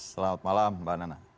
selamat malam mbak nana